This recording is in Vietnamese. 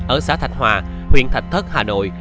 ở xã thạch hòa huyện thạch thất hà nội